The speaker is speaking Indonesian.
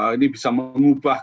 ini bisa mengubah